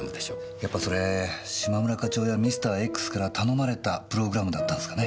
やっぱそれ嶋村課長やＭｒ．Ｘから頼まれたプログラムだったんすかね？